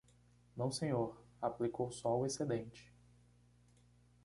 Não senhor, aplicou só o excedente.